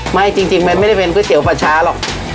ไม่จริงมันไม่ได้เป็นก๋วยเตี๋ยวปลาช้าหรอก